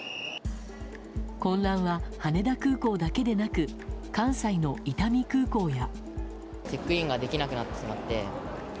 混乱は、羽田空港だけでなく関西の伊丹空港や。